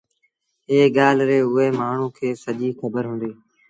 ايئي ڳآل ريٚ اُئي مآڻهوٚٚݩ کي سڄيٚ کبر هُݩديٚ